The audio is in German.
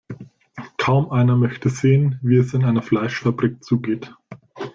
Kaum einer möchte sehen, wie es in einer Fleischfabrik zugeht.